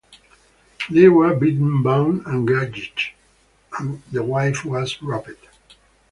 They were beaten, bound and gagged, and the wife was raped.